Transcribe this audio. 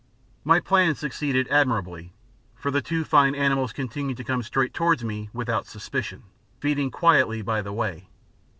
My plan succeeded admirably, for the two fine animals continued to come straight towards me without suspicion, feeding quietly by the way.